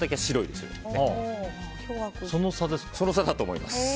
その差だと思います。